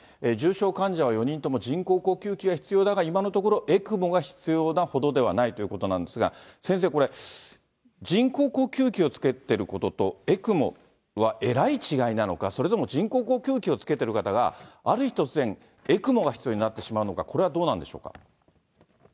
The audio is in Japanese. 重症患者は４人とも人工呼吸器は必要だが、今のところＥＣＭＯが必要なほどではないということなんですが、先生、これ、人工呼吸器をつけてることと、ＥＣＭＯはえらい違いなのか、それとも人工呼吸器をつけている方がある日突然、ＥＣＭＯが必要になってしまうのか、これはどうなんでしょうか。